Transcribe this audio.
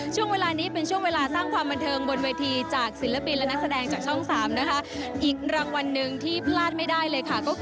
เชิญเลยค่ะคุณสุภานีค่ะ